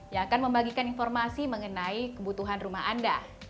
yang akan membagikan informasi mengenai kebutuhan rumah anda